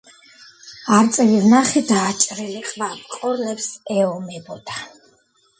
არწივი ვნახე დაჭრილი ყვავ ყორნებს ეომებოდაა